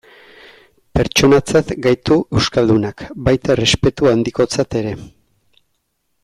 Pertsonatzat gaitu euskaldunak, baita errespetu handikotzat ere.